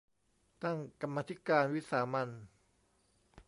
ตั้งกรรมาธิการวิสามัญ